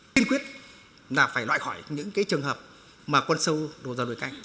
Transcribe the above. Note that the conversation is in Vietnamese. tiên quyết là phải loại khỏi những cái trường hợp mà quân sâu đổ ra đuổi canh